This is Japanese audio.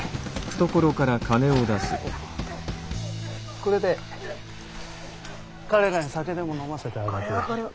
これで彼らに酒でも飲ませてあげて。